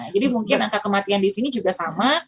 jadi mungkin angka kematian di sini juga sama